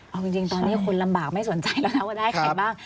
เอาจริงตอนนี้คนลำบากไม่สนใจแล้วนะว่าได้ใครบ้าง